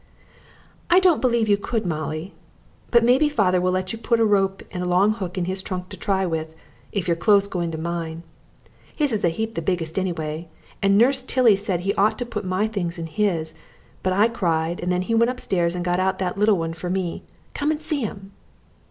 "I don't believe you could, Molly, but maybe father will let you put a rope and a long hook in his trunk to try with, if your clothes go into mine. His is a heap the biggest anyway, and Nurse Tilly said he ought to put my things in his, but I cried, and then he went upstairs and got out that little one for me. Come and see 'em."